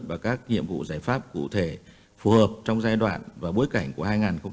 và các nhiệm vụ giải pháp cụ thể phù hợp trong giai đoạn và bối cảnh của hai nghìn hai mươi một hai nghìn hai mươi năm